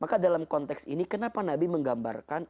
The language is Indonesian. maka dalam konteks ini kenapa nabi menggambarkan